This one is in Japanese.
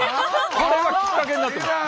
これがきっかけになってます。